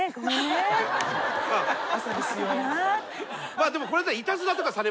まあでもこれ。